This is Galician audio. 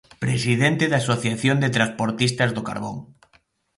Presidente da Asociación de Transportistas do Carbón.